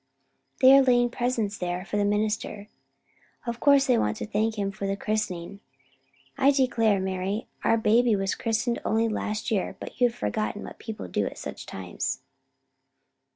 "They are laying presents there for the minister. Of course they want to thank him for the christening. I declare, Mari, our baby was christened only last year, and you have forgotten what people do at such times."